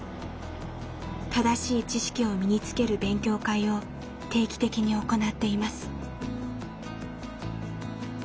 正しい知識を身につける勉強会を定期的に行っています。